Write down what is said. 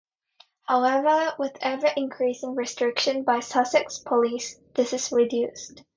However with ever increasing restrictions by Sussex Police this is reduced.